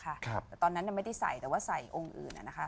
ครับแต่ตอนนั้นยังไม่ได้ใส่แต่ว่าใส่องค์อื่นอะนะคะ